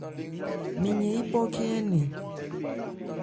Mɛn yɛn yípɔ khɛ́n ɛɛ́ nɛn.